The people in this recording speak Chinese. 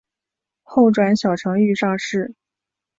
后转小承御上士。